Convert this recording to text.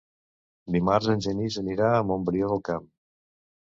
Dimarts en Genís anirà a Montbrió del Camp.